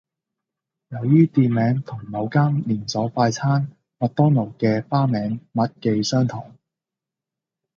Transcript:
由於店名同某間連鎖快餐麥當勞嘅花名麥記相同